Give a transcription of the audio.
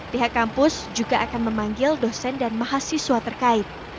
pihak kampus juga akan memanggil dosen dan mahasiswa terkait